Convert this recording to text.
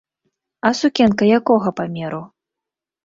А сукенка якога памеру?